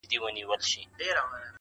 مضمون د شرافت دي په معنا لوستلی نه دی،